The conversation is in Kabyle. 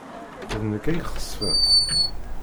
D nekk ay ixesfen.